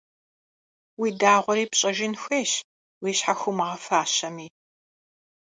Уи дагъуэри пщӀэжын хуейщ, уи щхьэ хуумыгъэфащэми.